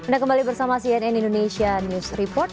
dan kembali bersama cnn indonesia news report